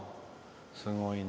すごいね。